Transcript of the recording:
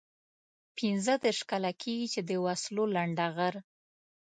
پنځه دېرش کاله کېږي چې د وسلو لنډه غر.